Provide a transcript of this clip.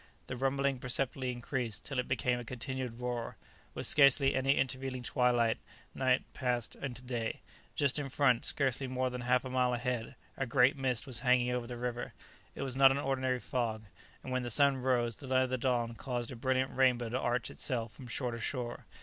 The rumbling perceptibly increased till it became a continued roar. With scarcely any intervening twilight night passed into day. Just in front, scarcely more than half a mile ahead, a great mist was hanging over the river; it was not an ordinary fog, and when the sun rose, the light of the dawn caused a brilliant rainbow to arch itself from shore to shore.